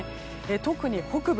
特に北部。